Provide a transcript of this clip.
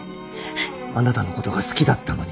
あなたのことが好きだったのに。